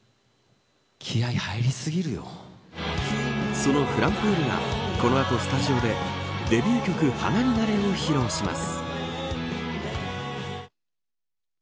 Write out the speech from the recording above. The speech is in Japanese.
そのｆｌｕｍｐｏｏｌがこの後スタジオでデビュー曲、花になれを披露します。